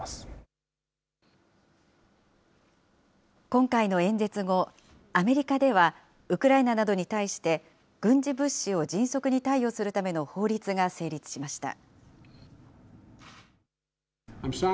今回の演説後、アメリカではウクライナなどに対して、軍事物資を迅速に貸与するための法律が成立しました。